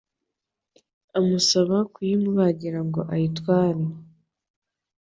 amusaba kuyimubagira ngo ayitware